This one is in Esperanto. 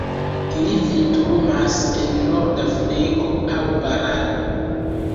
Ili vintrumas en norda Afriko aŭ Barato.